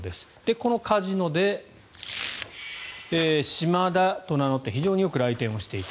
このカジノでシマダと名乗った非常によく来店をしていた。